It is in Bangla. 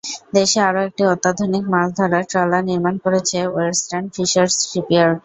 দেশে আরও একটি অত্যাধুনিক মাছ ধরার ট্রলার নির্মাণ করেছে ওয়েস্টার্ন ফিশার্স শিপইয়ার্ড।